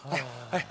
はい